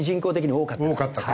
多かった。